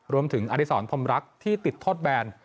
รวมถึงอดิษรพรรมรักษ์ที่ติดโทษแบน